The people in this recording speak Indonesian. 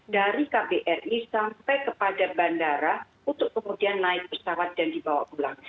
dari kbri sampai kepada bandara untuk kemudian naik pesawat dan dibawa pulang